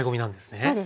そうですね。